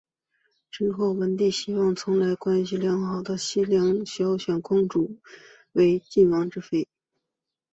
之后文帝希望从向来关系良好的西梁选位公主为晋王之妃。